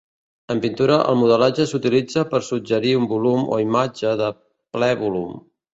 En pintura, el modelatge s'utilitza per suggerir un volum o imatge de ple volum.